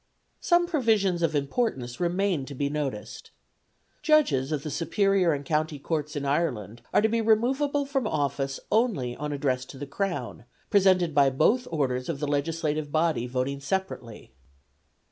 Some provisions of importance remain to be noticed. Judges of the superior and county courts in Ireland are to be removable from office only on address to the Crown, presented by both orders of the Legislative body voting separately.